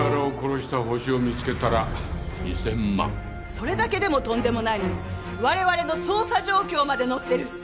それだけでもとんでもないのにわれわれの捜査状況まで載ってる。